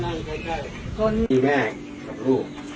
งอนขึ้นมาต้องเป็นงอเหมือนงอมันงอมันยาล่าค่ะอ่า